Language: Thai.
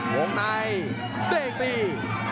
วงในเด้งตี